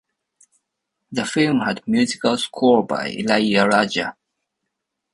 The film had musical score by Ilaiyaraaja.